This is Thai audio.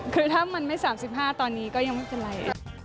คือถ้ามันไม่๓๕ตอนนี้ก็ยังไม่เป็นไร